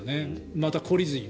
また懲りずに。